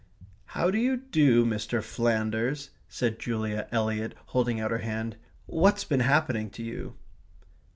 "How d'you do, Mr. Flanders," said Julia Eliot, holding out her hand. "What's been happening to you?"